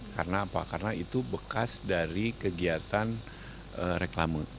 karena apa karena itu bekas dari kegiatan reklame